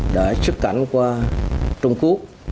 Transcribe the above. đã xuất cảnh qua trung quốc